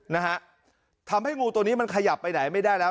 นะฮะทำให้งูตัวนี้มันขยับไปไหนไม่ได้แล้ว